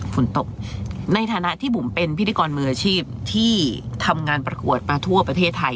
ฝนตกในฐานะที่บุ๋มเป็นพิธีกรมืออาชีพที่ทำงานประกวดมาทั่วประเทศไทย